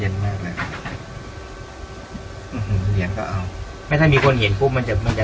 เหนียงก็เอาถ้ามีคนเห็นมันจะพูด